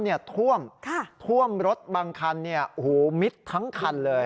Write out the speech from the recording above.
ท่วมท่วมรถบางคันมิดทั้งคันเลย